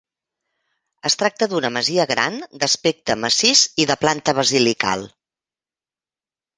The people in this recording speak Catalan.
Es tracta d'una masia gran, d'aspecte massís i de planta basilical.